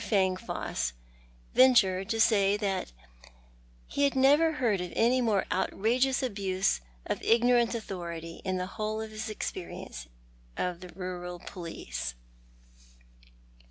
Fangfoss ventured to say that he had never heard of any more outrageous abuse of ignorant authority in the whole of his experience of the rural police.